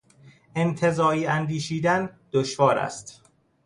انتزاعی اندیشیدن دشوار است